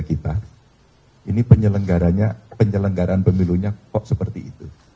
ini penyelenggaran pemilunya kok seperti itu